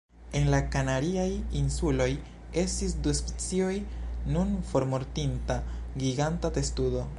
En la Kanariaj Insuloj estis du specioj nun formortinta giganta testudo.